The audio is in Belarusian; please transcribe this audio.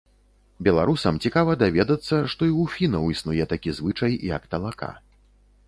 Беларусам цікава даведацца, што і ў фінаў існуе такі звычай, як талака.